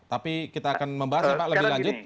tapi kita akan membahasnya pak lebih lanjut